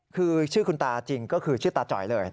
คือชื่อคุณตาจริงก็คือชื่อตาจ่อยเลย